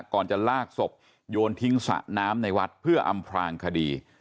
ก่อนจะลากศพโยนทิ้งสระน้ำในวัดเพื่ออำพลางคดี